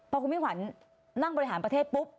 พอคุณมิ่งขวัญนั่งบริหารประเทศปุ๊บ